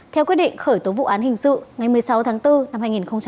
theo quyết định khởi tố vụ án hình sự ngày một mươi sáu tháng bốn năm hai nghìn hai mươi